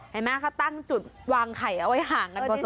เห็นมั้ยเขาตั้งจุดวางไข่เอาไว้ห่างนักประสบควร